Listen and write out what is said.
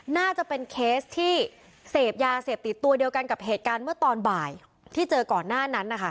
น่าจะเป็นเคสที่เสพยาเสพติดตัวเดียวกันกับเหตุการณ์เมื่อตอนบ่ายที่เจอก่อนหน้านั้นนะคะ